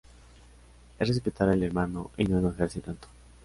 Es respetar al hermano y no enojarse tanto.